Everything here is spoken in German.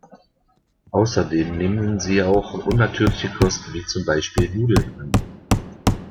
Außerdem nehmen sie auch unnatürliche Kost wie zum Beispiel Nudeln an,